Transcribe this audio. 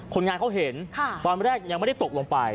คนงานเขาเห็นตอนแรกยังไม่ได้ตกลงไป